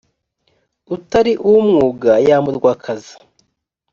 utari uwumwuga yamburwa akazi.